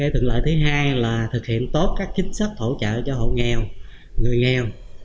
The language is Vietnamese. thuận lợi thứ hai là thực hiện tốt các chính sách hỗ trợ cho hộ nghèo người nghèo